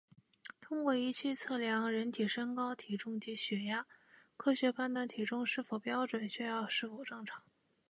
通过仪器测量人体身高、体重及血压，科学判断体重是否标准、血压是否正常